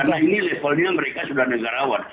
karena ini levelnya mereka sudah negarawan